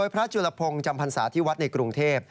จุลพงศ์จำพรรษาที่วัดในกรุงเทพ